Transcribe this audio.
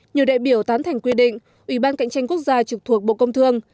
nhiều đại biểu tán thành quy định ủy ban cạnh tranh quốc gia trực thuộc bộ công thương